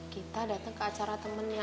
kita datang ke acara temennya